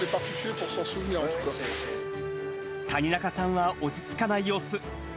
谷中さんは落ち着かない様子。